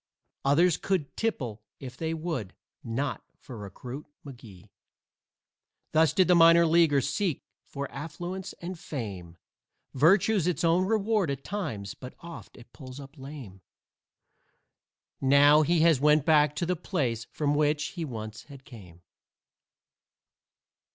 Others could tipple if they would not for Recruit McGee. Thus did the minor leaguer seek for affluence and fame Virtue's its own reward at times, but oft it pulls up lame. Now he has went back to the place from which he once had came!